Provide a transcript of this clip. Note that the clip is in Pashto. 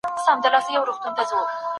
ویټامین بي بدن کې نه زېرمه کېږي.